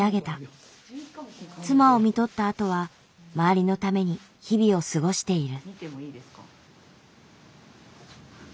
妻を看取ったあとは周りのために日々を過ごしている。